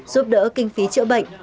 giúp đỡ kinh phí chữa bệnh